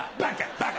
バカ！